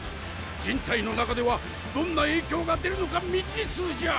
人体の中ではどんな影響が出るのか未知数じゃ！